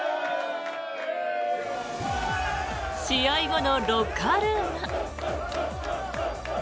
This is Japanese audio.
試合後のロッカールーム。